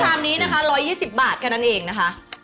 อันนี้ชามนี้๑๒๐บาทแค่นั้นเองนะคะ